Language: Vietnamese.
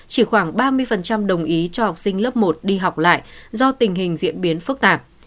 chỉ khoảng ba mươi đồng ý cho học sinh lớp một đi học lại do tình hình diễn biến phức tạp